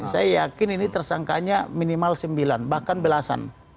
saya yakin ini tersangkanya minimal sembilan bahkan belasan